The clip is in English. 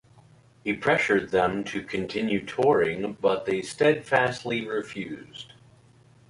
He pressured them to continue touring, but they steadfastly refused.